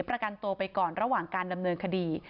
ประกันตัวไปก่อนระหว่างการดำเนินคดี